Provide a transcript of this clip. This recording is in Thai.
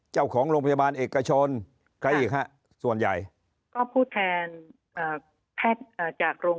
เจ้าของโรงพยาบาลเอกชนใครอีกฮะส่วนใหญ่ก็ผู้แทนแพทย์จากโรง